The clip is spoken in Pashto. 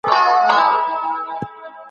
علم یوازې مطالعه نه، بلکې د تجربو تبادله ده.